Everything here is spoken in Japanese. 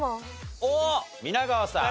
皆川さん。